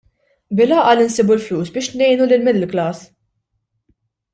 Bil-għaqal insibu l-flus biex ngħinu lill-middle class!